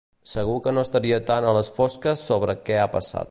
Segur que no estaria tan a les fosques sobre què ha passat.